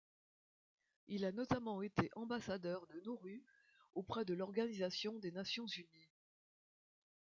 Il a notamment été ambassadeur de Nauru auprès de l'Organisation des Nations unies.